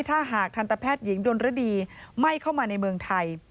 ถ้าหากทันตแพทย์หญิงดนรดีไม่เข้ามาในเมืองไทย